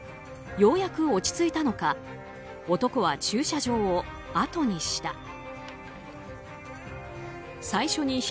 ようやく落ち着いたのか男は駐車場をあとにした。